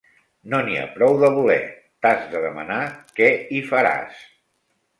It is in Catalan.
No n'hi ha prou de voler. T’has de demanar què hi faràs!